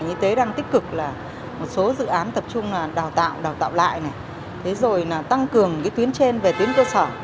y tế đang tích cực một số dự án tập trung là đào tạo đào tạo lại rồi tăng cường tuyến trên về tuyến cơ sở